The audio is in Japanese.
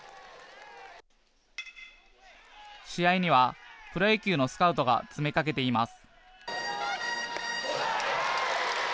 試合には、プロ野球のスカウトが詰めかけています。